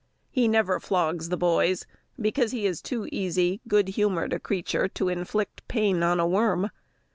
He never flogs the boys, because he is too easy, good humoured a creature to inflict pain on a worm.